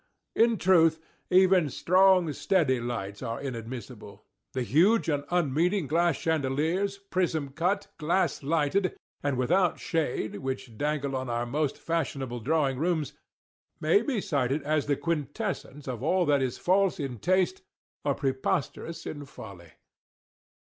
In truth, even strong _steady _lights are inadmissible. The huge and unmeaning glass chandeliers, prism cut, gas lighted, and without shade, which dangle in our most fashionable drawing rooms, may be cited as the quintessence of all that is false in taste or preposterous in folly.